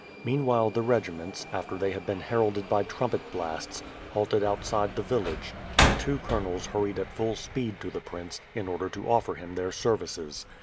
Meanwhile, the regiments, after they had been heralded by trumpet blasts, halted outside the village; and two colonels hurried at full speed to the prince, in order to offer him their services.